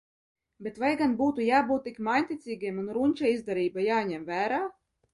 Bet vai gan būtu jābūt tik māņticīgiem, un runča izdarība jāņem vērā?